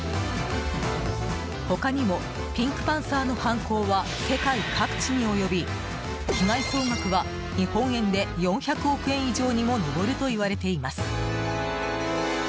他にもピンクパンサーの犯行は世界各地に及び被害総額は、日本円で４００億円以上にも上るといわれています。